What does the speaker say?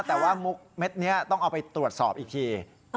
แต่ว่ามุกเม็ดนี้ต้องเอาไปตรวจสอบอีกที